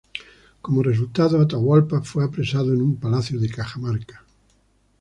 Como resultado Atahualpa fue apresado en un palacio de Cajamarca.